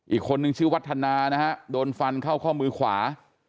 อีกคนนึงชื่อวัฒนานะฮะโดนฟันเข้าข้อมือขวา